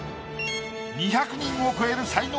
２００人を超える才能